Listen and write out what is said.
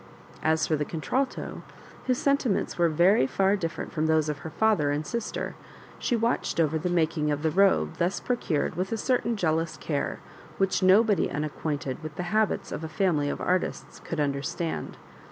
As for the contralto, whose sen timents were very different from those of her father and sister, she watched over the making of the robe thus procured with a certain jealous care which nobody unacquainted with the habits of a family of artists could understand.